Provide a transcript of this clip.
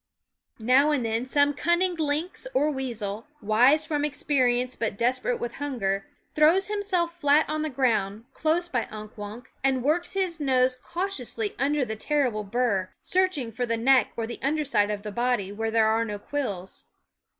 Now and then some cunning lynx or weasel, wise from experience but desperate with hunger, throws himself flat on the ground, close by Unk Wunk, and works his nose cautiously under the terrible bur, searching for the neck or the underside of the body, where there are no quills.